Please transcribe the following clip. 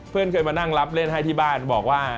เคยมานั่งรับเล่นให้ที่บ้านบอกว่า